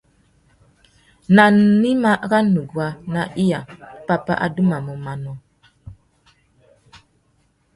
Nà gnïmá râ nuguá nà iya, pápá adumamú manô.